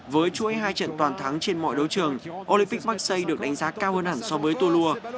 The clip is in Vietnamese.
với chuỗi hai trận toàn thắng trên mọi đấu trường olympic maxi được đánh giá cao hơn hẳn so với tour